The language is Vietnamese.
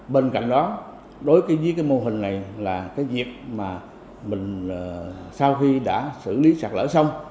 bên cạnh đó đối với cái mô hình này là cái việc mà mình sau khi đã xử lý sạt lỡ xong